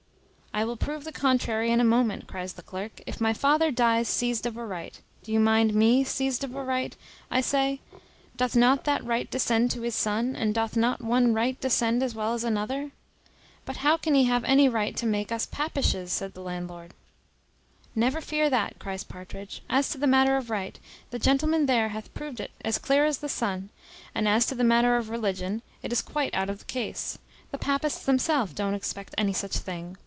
"I will prove the contrary in a moment," cries the clerk: "if my father dies seized of a right; do you mind me, seized of a right, I say; doth not that right descend to his son; and doth not one right descend as well as another?" "But how can he have any right to make us papishes?" says the landlord. "Never fear that," cries Partridge. "As to the matter of right, the gentleman there hath proved it as clear as the sun; and as to the matter of religion, it is quite out of the case. The papists themselves don't expect any such thing.